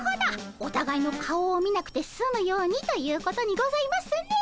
おたがいの顔を見なくてすむようにということにございますね。